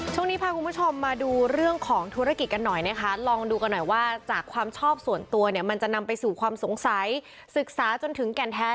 ช่วงนี้พาก๓๕๖ไปแบบว่าจากความชอบส่วนตัวเนี่ยมันจะนำไปสู่ความสงสัยศึกษาจนถึงแก่นแท้